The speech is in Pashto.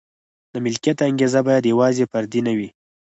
د ملکیت انګېزه باید یوازې فردي نه وي.